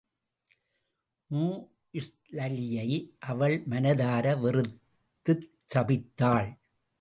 மூஇஸ்ளலியை அவள் மனதார வெறுத்துச் சபித்தாள்.